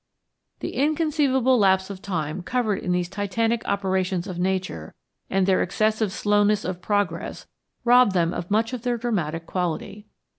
The inconceivable lapse of time covered in these titanic operations of Nature and their excessive slowness of progress rob them of much of their dramatic quality.